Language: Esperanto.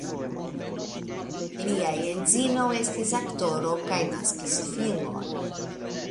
Lia edzino estis aktoro kaj naskis filon.